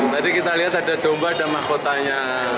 tadi kita lihat ada domba ada mahkotanya